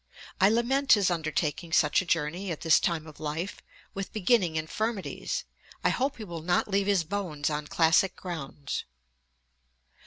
I lament his undertaking such a journey at his time of life, with beginning infirmities. I hope he will not leave his bones on classic grounds.'